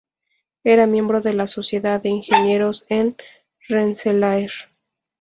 Era miembro de la Sociedad de Ingenieros de Rensselaer.